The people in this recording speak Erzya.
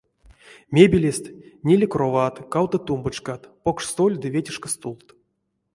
Мебелест — ниле кроватт, кавто тумбочкат, покш столь ды ветешка стулт.